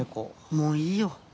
もういいよ。